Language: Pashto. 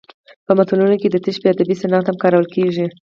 په متلونو کې د تشبیه ادبي صنعت هم کارول کیږي